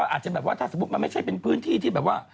อาจจะแต่ว่าไม่ใช่เป็นพื้นที่